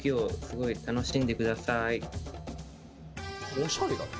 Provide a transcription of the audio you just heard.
おしゃれだね。